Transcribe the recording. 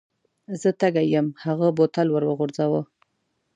زه تږی یم هغه بوتل ور وغورځاوه.